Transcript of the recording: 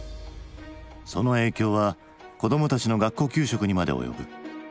その影響は子どもたちの学校給食にまで及ぶ。